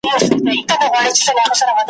له منظور پښتین سره دي ,